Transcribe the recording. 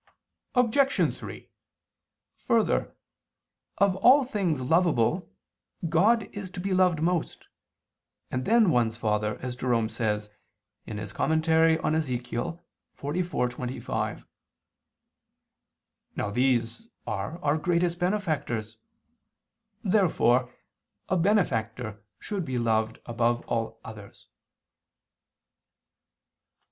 Obj. 3: Further, of all things lovable, God is to be loved most, and then one's father, as Jerome says [*Comment. in Ezechiel xliv, 25]. Now these are our greatest benefactors. Therefore a benefactor should be loved above all others.